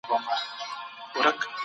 د بدن غړي په پلی ګرځېدو قوي کیږي.